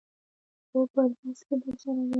هو په بس کې درسره وم.